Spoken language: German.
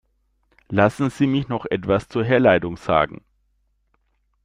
Lassen Sie mich noch etwas zur Herleitung sagen.